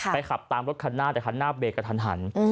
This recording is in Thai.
ขับตามรถคันหน้าแต่คันหน้าเบรกกระทันหัน